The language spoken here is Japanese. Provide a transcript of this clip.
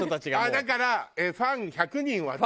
だからファン１００人を集めて。